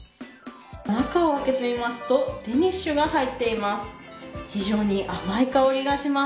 中を開けてみますとデニッシュが入っています。